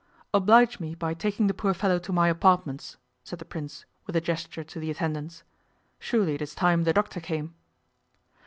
'Oblige me by taking the poor fellow to my apartments,' said the Prince, with a gesture to the attendants. 'Surely it is time the doctor came.